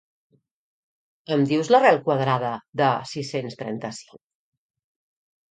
Em dius l'arrel quadrada de sis-cents trenta-cinc?